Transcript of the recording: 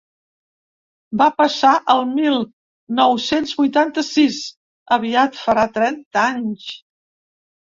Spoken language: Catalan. Va passar el mil nou-cents vuitanta-sis: aviat farà trenta anys.